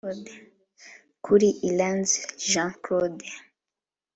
Kuri Iranzi Jean Claude